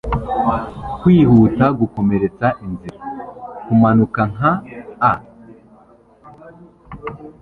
kwihuta, gukomeretsa inzira kumanuka, nka a